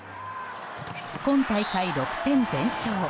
今大会６戦全勝。